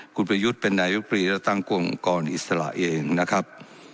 กุฎประยุทธ์เป็นในวิกฤตและตั้งองค์กรอิสระเองนะครับ